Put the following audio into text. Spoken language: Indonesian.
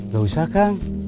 gak usah kang